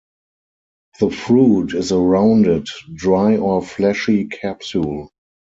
The fruit is a rounded, dry or fleshy capsule.